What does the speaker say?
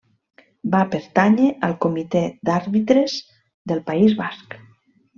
Va pertànyer al Comitè d'Àrbitres del País Basc.